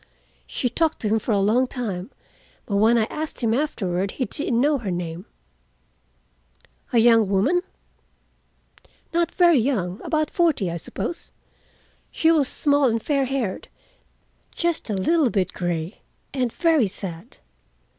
She talked to him for a long time, but when I asked him afterward he didn't know her name." "A young woman?" "Not very young. About forty, I suppose. She was small and fair haired, just a little bit gray, and very sad.